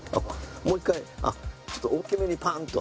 もう一回ちょっと大きめにパーン！と。